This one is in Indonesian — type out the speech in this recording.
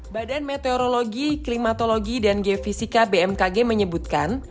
badan meteorologi klimatologi dan geofisika bmkg menyebutkan